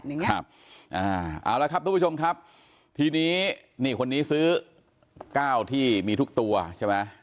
เอาละครับทุกผู้ชมครับทีนี้นี่คนนี้ซื้อเก้าที่มีทุกตัวใช่ไหม